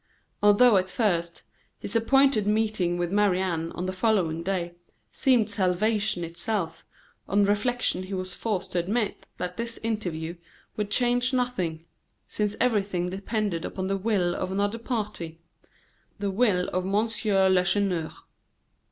Although at first, his appointed meeting with Marie Anne on the following day seemed salvation itself, on reflection he was forced to admit that this interview would change nothing, since everything depended upon the will of another party the will of M. Lacheneur.